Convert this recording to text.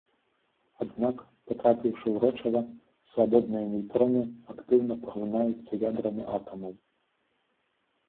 Аднак, патрапіўшы ў рэчыва, свабодныя нейтроны актыўна паглынаюцца ядрамі атамаў.